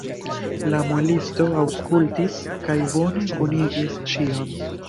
La muelisto aŭskultis kaj bone kunigis ĉion.